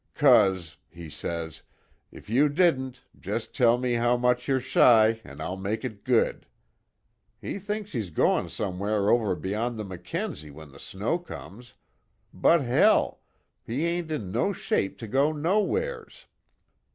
'Cause,' he says, 'if you didn't just tell me how much you're shy, an' I'll make it good!' He thinks he's goin' somewhere over beyond the Mackenzie when the snow comes but, hell he ain't in no shape to go nowheres.